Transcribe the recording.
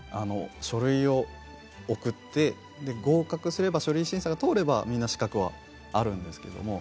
それを送って合格すれば書類審査が通れば資格はあるんですけど。